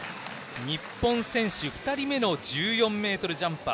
日本選手２人目の１４ｍジャンパー。